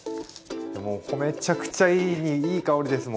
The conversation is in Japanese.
もうめちゃくちゃいいいい香りです